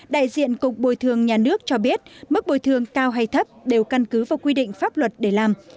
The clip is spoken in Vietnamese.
đại diện cục bồi thường nhà nước cho biết mức bồi thường cao hay thấp đều căn cứ vào quy định pháp luật để làm